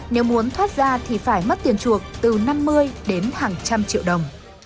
nếu muốn thoát ra thì phải mất tiền chuộc từ năm mươi đến hàng trăm triệu đồng